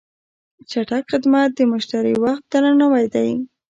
چټک خدمت د مشتری وخت درناوی دی.